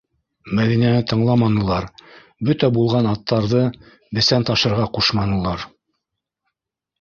Мәҙинәне тыңламанылар, бөтә булған аттарҙы бесән ташырға ҡушманылар.